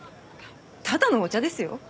ただのお茶ですよ？